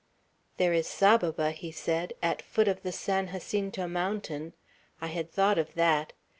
"There is Saboba," he said, "at foot of the San Jacinto Mountain; I had thought of that.